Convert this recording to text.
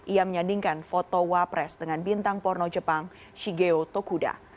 ia menyandingkan foto wapres dengan bintang porno jepang shigeo tokuda